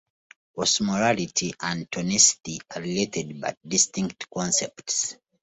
Osmolarity and tonicity are related but distinct concepts.